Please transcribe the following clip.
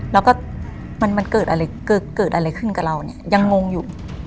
แล้วก็มันเกิดอะไรขึ้นกับเรายังงงอยู่